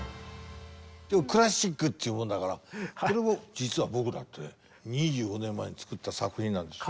今日クラシックっちゅうもんだからこれも実は僕だって２５年前に作った作品なんですよ。